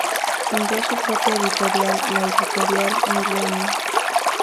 Fundó su propia editorial, la Editorial Milenio.